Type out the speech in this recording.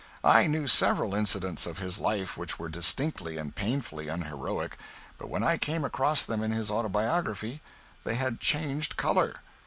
I knew several incidents of his life which were distinctly and painfully unheroic, but when I came across them in his autobiography they had changed color.